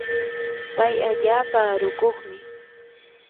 pay allaapa arukuqmi.